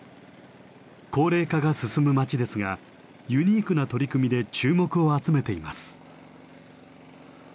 高齢化が進む町ですがユニークな取り組みで注目を集めています。